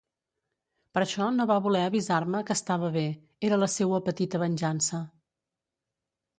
Per això no va voler avisar-me que estava bé; era la seua petita venjança.